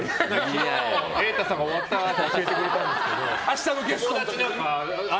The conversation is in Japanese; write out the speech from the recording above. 昨日、瑛太さんが終わったあとに教えてくれたんですけどって。